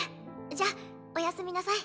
じゃあおやすみなさい。